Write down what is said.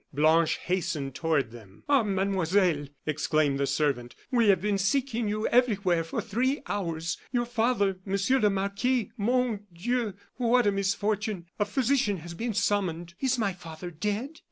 Blanche hastened toward them. "Ah! Mademoiselle," exclaimed the servant, "we have been seeking you everywhere for three hours. Your father, monsieur le marquis mon Dieu! what a misfortune! A physician has been summoned." "Is my father dead?"